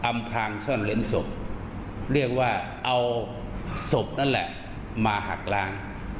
อพางซ่อนเล้นศพเรียกว่าเอาศพนั่นแหละมาหักล้าง